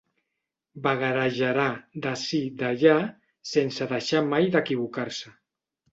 Vagarejarà d'ací d'allà sense deixar mai d'equivocar-se.